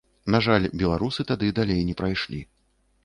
На жаль, беларусы тады далей не прайшлі.